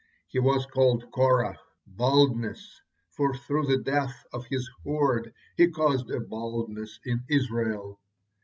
He was called Korah, "baldness," for through the death of his horde he caused a baldness in Israel.